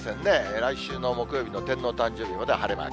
来週の木曜日の天皇誕生日まで晴れマーク。